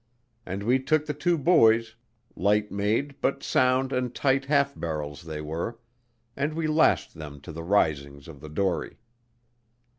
And we took the two buoys light made but sound and tight half barrels they were and we lashed them to the risings of the dory.